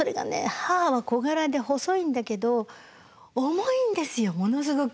母は小柄で細いんだけど重いんですよものすごく。